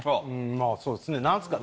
まあそうですね何すか？